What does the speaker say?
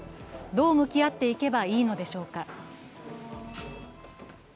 どう向き合っていけばいいのでしょうか。